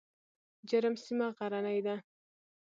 جرم سیمه غرنۍ ده؟